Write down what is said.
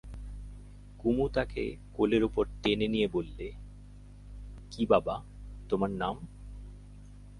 কুমু তাকে কোলের উপর টেনে নিয়ে বললে, কী বাবা, তোমার নাম?